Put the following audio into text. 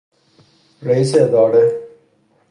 رییس اداره